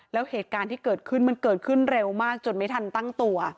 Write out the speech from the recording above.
แล้วเหตุการณ์ที่เกิดขึ้นมันเกิดขึ้นเร็วมากจนไม่ทันตั้งตัว